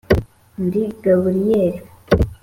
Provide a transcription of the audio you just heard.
‘‘ Ndi Gaburiyeli